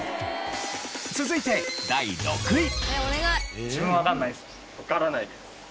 続いて第６位。